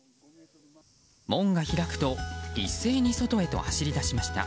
門が開くと一斉に外へと走り出しました。